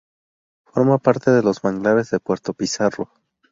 Forma parte de los manglares de Puerto Pizarro.